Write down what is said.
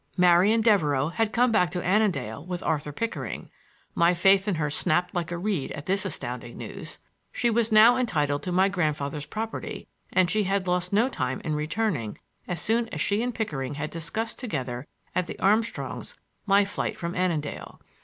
Marian Devereux had come back to Annandale with Arthur Pickering; my faith in her snapped like a reed at this astounding news. She was now entitled to my grandfather's property and she had lost no time in returning as soon as she and Pickering had discussed together at the Armstrongs' my flight from Annandale.